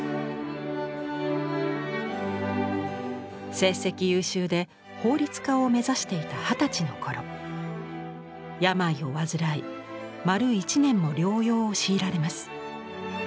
成績優秀で法律家を目指していた二十歳の頃病を患い丸１年も療養を強いられます。